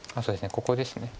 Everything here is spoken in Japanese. ここです。